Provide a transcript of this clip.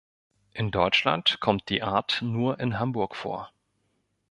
In Deutschland kommt die Art nur in Hamburg vor.